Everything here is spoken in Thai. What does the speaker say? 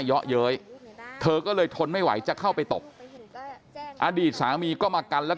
เยอะเย้ยเธอก็เลยทนไม่ไหวจะเข้าไปตบอดีตสามีก็มากันแล้ว